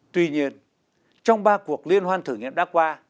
tuy nhiên trong ba cuộc liên hoan thử nghiệm đã qua